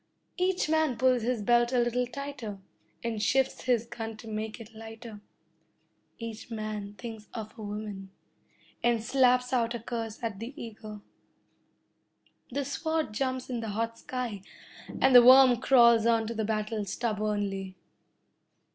Each man pulls his belt a little tighter, and shifts his gun to make it lighter. Each man thinks of a woman, and slaps out a curse at the eagle. The sword jumps in the hot sky, and the worm crawls on to the battle, stubbornly.